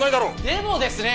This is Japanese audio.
でもですね！